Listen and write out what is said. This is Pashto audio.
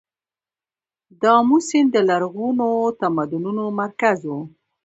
د امو سیند د لرغونو تمدنونو مرکز و